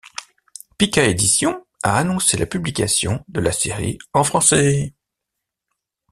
Pika Édition a annoncé la publication de la série en français.